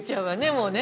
もうね。